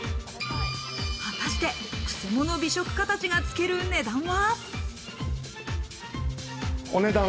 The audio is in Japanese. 果たして、クセモノ美食家たちがつける値段は。